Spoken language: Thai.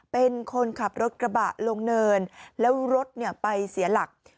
เป็นคนขับรถกระบะลงเนินแล้วรถไปเสียหลัก